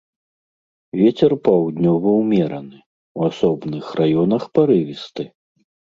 Вецер паўднёвы ўмераны, у асобных раёнах парывісты.